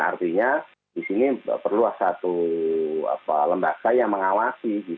artinya di sini perlu satu lembaga yang mengawasi